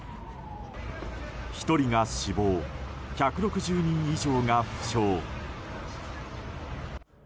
１人が死亡１６０人以上が負傷。